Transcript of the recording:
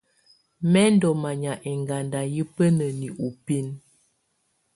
Mɛ̀ ndù manya ɛŋganda yɛ̀ bǝnǝni ù binǝ.